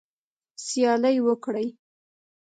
سیالي وکړئ